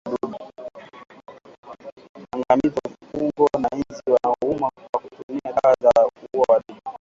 Angamiza mbung'o na nzi wanaouma kwa kutumia dawa za kuua wadudu